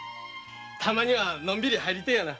たまにはのんびり入りてぇやな。